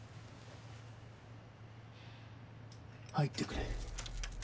入ってくれ。